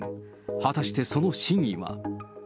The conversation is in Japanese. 果たしてその真意は。